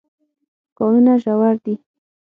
کانونه ژور دي.